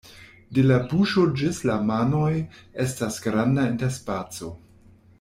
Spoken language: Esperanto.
De la buŝo ĝis la manoj estas granda interspaco.